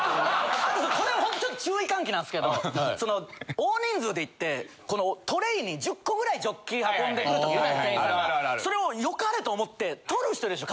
これほんとちょっと注意喚起なんすけどその大人数で行ってこのトレーに１０個ぐらいジョッキ運んでくる時店員さんそれを良かれと思って取る人いるでしょ